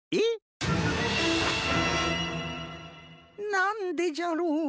なんでじゃろう？